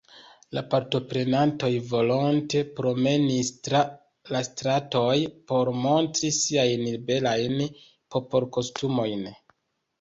La partoprenantoj volonte promenis tra la stratoj por montri siajn belajn popolkostumojn.